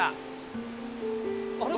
あれ？